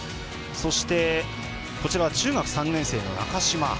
そして、中学３年生の中嶋。